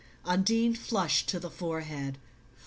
Undine flushed to the forehead.